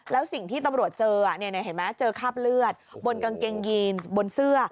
แล้วสิ่งที่ตำรวจเจอเห็นไหมเจอคราบเลือดบนกางเกงยีนบนเสื้อ